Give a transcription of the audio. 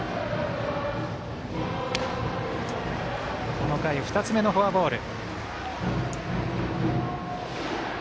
この回２つ目のフォアボール。